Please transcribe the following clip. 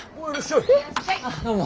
どうも。